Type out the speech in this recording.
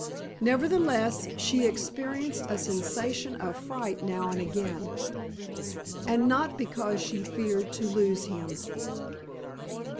Nevertheless, she experienced a sensation of fright now and again, and not because she feared to lose him.